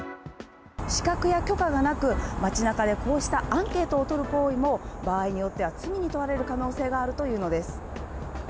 資格や許可がなく、街なかでこうしたアンケートを取る行為も、場合によっては罪に問われる可能性があるというのです。